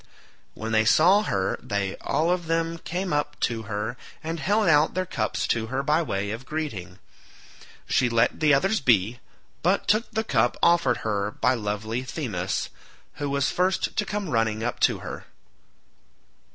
When they saw her they all of them came up to her, and held out their cups to her by way of greeting. She let the others be, but took the cup offered her by lovely Themis, who was first to come running up to her.